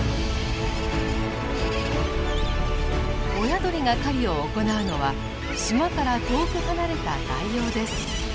親鳥が狩りを行うのは島から遠く離れた外洋です。